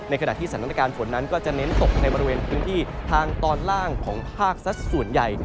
ขณะที่สถานการณ์ฝนนั้นก็จะเน้นตกในบริเวณพื้นที่ทางตอนล่างของภาคสักส่วนใหญ่